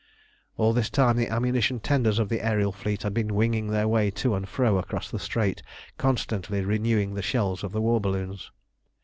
All this time the ammunition tenders of the aërial fleet had been winging their way to and fro across the Strait constantly renewing the shells of the war balloons.